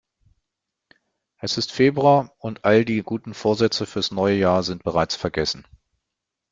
Es ist Februar und all die guten Vorsätze fürs neue Jahr sind bereits vergessen.